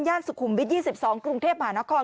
ที่คอนโดมิเนียมย่านสุขุมวิทย์๒๒กรุงเทพมหานคร